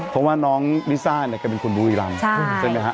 เพราะว่าน้องลิซ่าเนี่ยแกเป็นคนบุรีรำใช่ไหมฮะ